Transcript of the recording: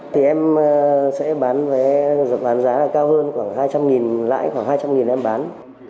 thì em sẽ bán vé giọt bán giá là cao hơn khoảng hai trăm linh lãi khoảng hai trăm linh em bán